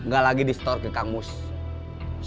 gak lagi di store ditanggung